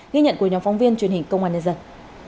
ghi nhận của nhóm phóng viên truyền hình công an nhân dân